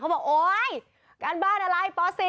บอกโอ๊ยการบ้านอะไรป๔